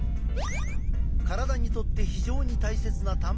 体にとって非常に大切なたんぱく質。